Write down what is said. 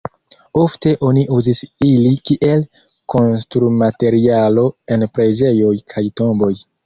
Ofte oni uzis ili kiel konstrumaterialo en preĝejoj kaj tomboj.